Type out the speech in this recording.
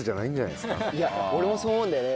いや俺もそう思うんだよね。